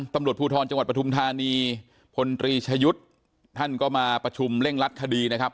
ตำรวจภูทรจังหวัดปฐุมธานีพลตรีชยุทธ์ท่านก็มาประชุมเร่งรัดคดีนะครับ